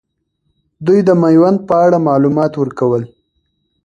دوي د میوند په اړه معلومات ورکول.